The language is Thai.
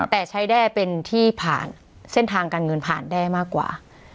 แต่ใช้ได้เป็นที่ผ่านเส้นทางการเงินผ่านได้มากกว่า